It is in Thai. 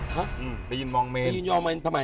ฮะอืมไปยืนมองเมนไปยืนยอมเมนทำไมอ่ะ